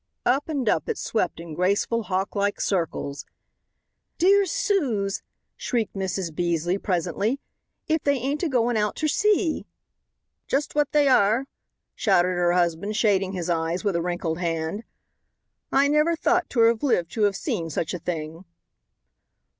Up and up it swept in graceful hawk like circles. "Dear Suz!" shrieked Mrs. Beasley presently, "if they ain't agoin' out ter sea!" "Just what they air," shouted her husband, shading his eyes with a wrinkled hand. "I never thought ter have lived ter have seen such a thing!"